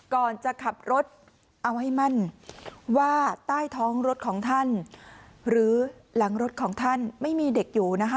ก่อนจะขับรถเอาให้มั่นว่าใต้ท้องรถของท่านหรือหลังรถของท่านไม่มีเด็กอยู่นะคะ